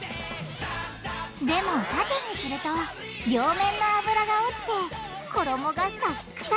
でもタテにすると両面の油が落ちて衣がサックサクになるんです！